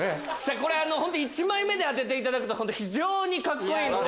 これ１枚目で当てていただくと非常にカッコいいので。